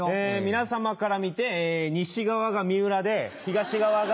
皆様から見て西側が三浦で東側が。